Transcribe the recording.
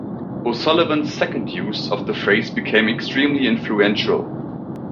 O'Sullivan's second use of the phrase became extremely influential.